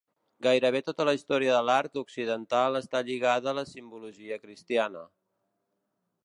Gairebé tota la història de l'art occidental està lligada a la simbologia cristiana.